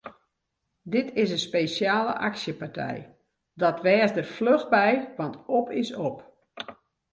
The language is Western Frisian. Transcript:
Dit is in spesjale aksjepartij, dat wês der fluch by want op is op!